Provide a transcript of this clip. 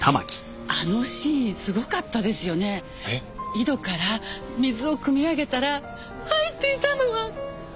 井戸から水をくみ上げたら入っていたのは水じゃなくて！